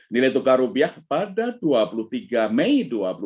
nilai tukar rupiah pada dua puluh tiga mei dua ribu dua puluh